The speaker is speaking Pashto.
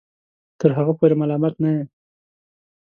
تر هغه پورې ملامت نه یې